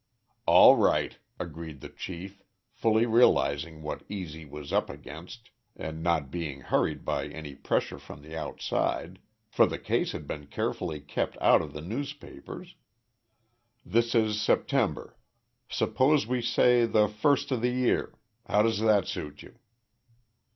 "All right," agreed the chief, fully realizing what "E. Z." was up against and not being hurried by any pressure from the outside for the case had been carefully kept out of the newspapers "this is September. Suppose we say the first of the year? How does that suit you?"